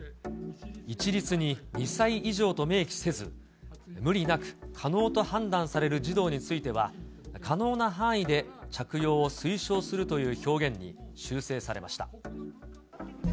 一律に２歳以上と明記せず、無理なく可能と判断される児童については、可能な範囲で着用を推奨するという表現に修正されました。